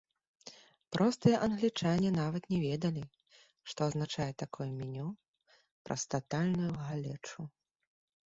Простыя англічане нават не ведалі, што азначае такое меню праз татальную галечу.